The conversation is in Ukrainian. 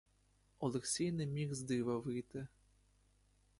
Олексій не міг з дива вийти.